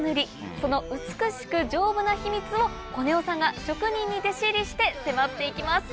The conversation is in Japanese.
その美しく丈夫な秘密をコネオさんが職人に弟子入りして迫って行きます。